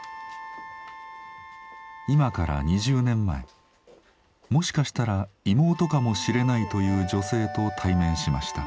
今から２０年前もしかしたら妹かもしれないという女性と対面しました。